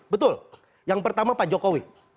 betul yang pertama pak jokowi